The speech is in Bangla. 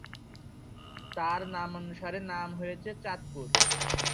তার নামানুসারে নাম হয়েছে চাঁদপুর।